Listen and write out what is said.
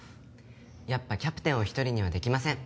やっぱキャプテンを一人にはできません。